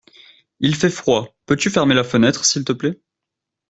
Il fait froid, peux-tu fermer la fenêtre s'il te plaît ?